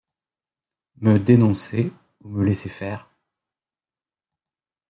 Me d'enoncer ou me laisser faire.